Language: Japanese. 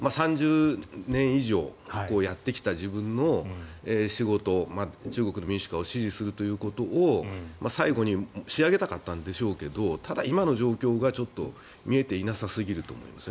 ３０年以上やってきた自分の仕事中国の民主化を支持するということを最後に仕上げたかったんでしょうけどただ、今の状況が見えていなさすぎると思います。